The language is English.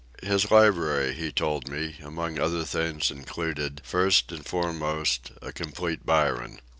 His library, he told me, among other things included, first and fore most, a complete Byron.